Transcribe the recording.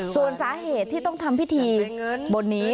ส่วนสาเหตุที่ต้องทำพิธีบนนี้